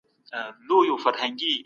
د سياست پايلي د وخت په تېرېدو ښکارېږي.